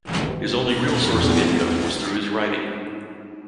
His only real source of income was through his writing.